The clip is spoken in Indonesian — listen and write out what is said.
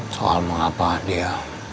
soal mengapa dia